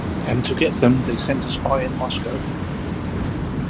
And to get them they sent spy in Moscow.